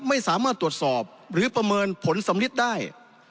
ไม่สามารถตรวจสอบหรือประเมินผลสำลิดได้